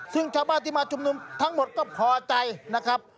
ซึ่งชาวบ้านที่มาชุมนุมทั้งหมดก็พอใจนะครับ